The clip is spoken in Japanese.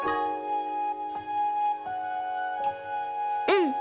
うん。